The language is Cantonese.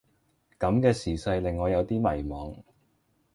咁嘅時勢令我有啲迷惘